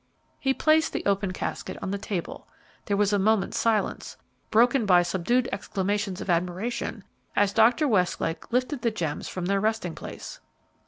He placed the open casket on the table. There was a moment's silence, broken by subdued exclamations of admiration as Dr. Westlake lifted the gems from their resting place.